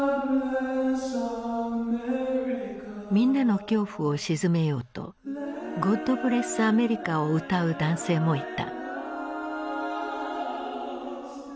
みんなの恐怖を鎮めようと「ゴッド・ブレス・アメリカ」を歌う男性もいた。